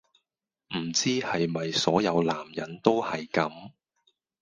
唔知係咪所有男人都係咁